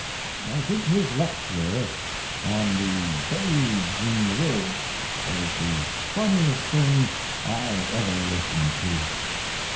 I think his lec ture on the Babes in the Woods/ was the funniest thing I ever listened to.